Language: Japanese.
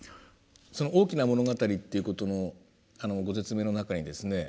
その大きな物語っていうことのご説明の中にですね